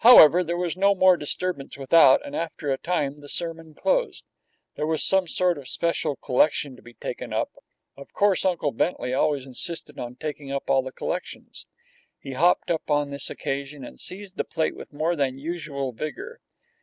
However, there was no more disturbance without, and after a time the sermon closed. There was some sort of a special collection to be taken up. Of course, Uncle Bentley always insisted on taking up all the collections. He hopped up on this occasion and seized the plate with more than usual vigor.